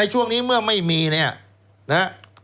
ช่วงนี้เมื่อไม่มีเนี่ยนะฮะ